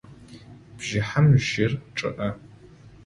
Бжыхьэм жьыр чъыӏэ.